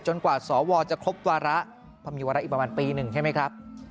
จนกว่าสอวรจะครบตัวละ